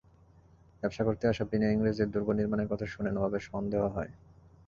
ব্যবসা করতে আসা বেনিয়া ইংরেজদের দুর্গ নির্মাণের কথা শুনে নবাবের সন্দেহ হয়।